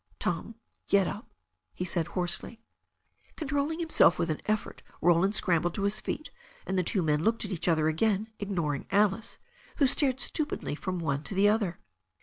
"Tom, get up," he said hoarsely. Controlling himself with an effort, Roland scrambled to his feet, and the two men looked at each other again, ig noring Alice, who stared stupidly from one to the other.